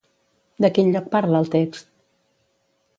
De quin lloc parla el text?